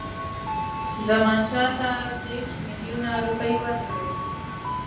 زمانشاه ته دېرش میلیونه روپۍ ورکړي.